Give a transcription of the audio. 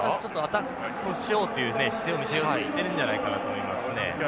アタックしようという姿勢を見せようとしているんじゃないかと思いますね。